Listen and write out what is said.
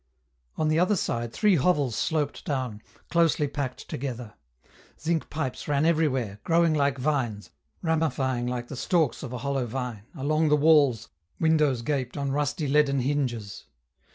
On the other side three hovels sloped down, closely packed together ; zinc pipes ran everywhere, growing like vines, ramifying like the stalks of a hollow vine along the walls, windows gaped on rusty leaden hinges.